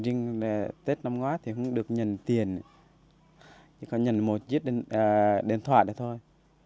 trong tết năm ngoái thì không được nhận tiền chỉ có nhận một chiếc điện thoại thôi